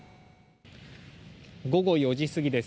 午後４時過ぎです。